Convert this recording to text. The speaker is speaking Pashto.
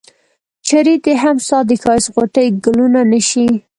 چرې دي هم ستا د ښایست غوټۍ ګلونه نه شي.